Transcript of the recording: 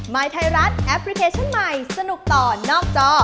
ยไทยรัฐแอปพลิเคชันใหม่สนุกต่อนอกจอ